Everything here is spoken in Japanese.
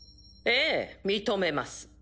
ええ認めます。